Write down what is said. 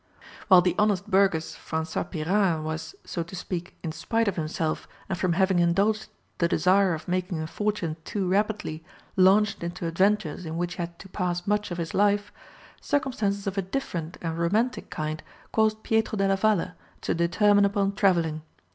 While the honest burgess François Pyrard, was, so to speak, in spite of himself, and from having indulged the desire of making a fortune too rapidly, launched into adventures in which he had to pass much of his life, circumstances of a different and romantic kind caused Pietro della Valle to determine upon travelling.